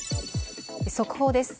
速報です。